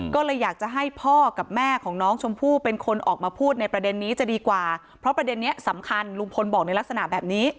ก็เลยอยากจะให้พ่อกับแม่ของน้องชมพู่เป็นคนออกมาพูดในประเด็นนี้จะดีกว่าเพราะประเด็นนี้สำคัญลุงพลบอกในลักษณะแบบนี้